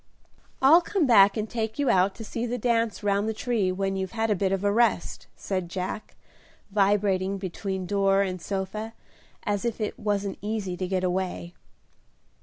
"I'll come back and take you out to see the dance round the tree when you've had a bit of a rest," said Jack, vibrating between door and sofa as if it wasn't easy to get away.